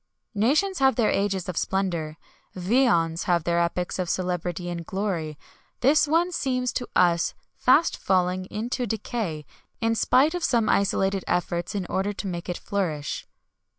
Nations have their ages of splendour viands have their epochs of celebrity and glory. This one seems to us fast falling into decay, in spite of some isolated efforts in order to make it reflourish.